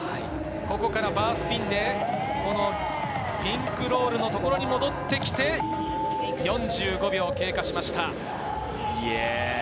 ここからバースピンでピンクロールのところに戻ってきて、４５秒、経過しました。